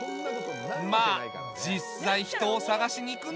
まあ実際人を探しに行くんだよな。